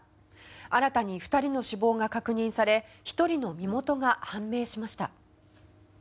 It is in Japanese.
新たに２人の死亡が確認され１人の身元が判明しました。